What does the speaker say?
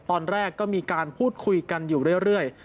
ตอนแรกก็มีการพูดคุยกันอยู่เรื่อย